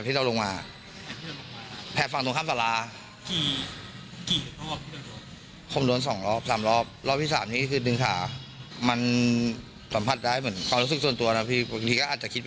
กี่รอบที่เขาบอกด้วย